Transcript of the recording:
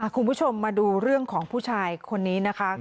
คุณผู้ชมมาดูเรื่องของผู้ชายคนนี้นะคะ